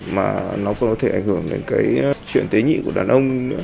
mà nó còn có thể ảnh hưởng đến cái chuyện tế nhị của đàn ông nữa